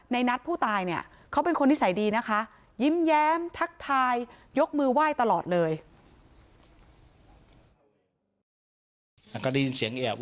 ในนัดผู้ตายเนี่ยเขาเป็นคนนิสัยดีนะคะยิ้มแย้มทักทายยกมือไหว้ตลอดเลย